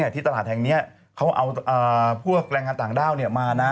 ที่ตลาดแห่งนี้เขาเอาพวกแรงงานต่างด้าวมานะ